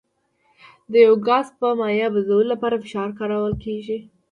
د یو ګاز په مایع بدلولو لپاره فشار کارول کیږي.